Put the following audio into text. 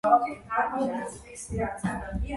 ახალი ძალით განახლდა ბრძოლა ირანელთა წინააღმდეგ.